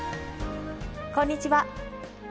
こんにちは。